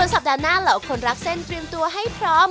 สัปดาห์หน้าเหล่าคนรักเส้นเตรียมตัวให้พร้อม